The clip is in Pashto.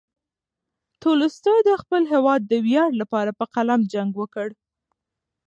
تولستوی د خپل هېواد د ویاړ لپاره په قلم جنګ وکړ.